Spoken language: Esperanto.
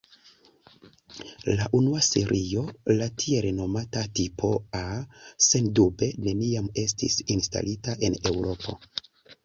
La unua serio, la tiel nomata "Tipo" "A", sendube neniam estis instalita en Eŭropo.